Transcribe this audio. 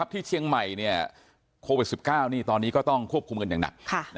ที่เชียงใหม่โควิด๑๙ตอนนี้ก็ต้องควบคุมกันอย่างหนัก